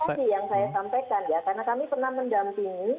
karena kami pernah mendampingi